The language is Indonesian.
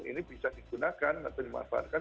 ini bisa digunakan atau dimanfaatkan